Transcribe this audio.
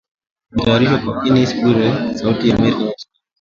Imetayarishwa na Kennes Bwire, Sauti ya Amerika ,Washington